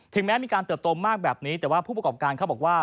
แม้มีการเติบโตมากแบบนี้แต่ว่าผู้ประกอบการเขาบอกว่า